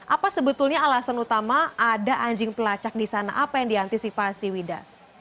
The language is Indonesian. apa sebetulnya alasan utama ada anjing pelacak di sana apa yang diantisipasi wida